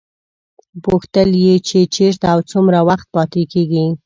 پوښتل یې چې چېرته او څومره وخت پاتې کېږي.